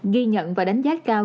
ghi nhận và đánh giá cao